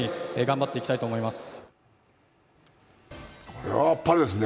これはあっぱれですね。